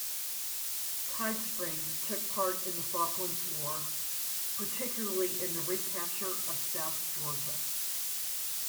"Tidespring" took part in the Falklands War, particularly in the recapture of South Georgia.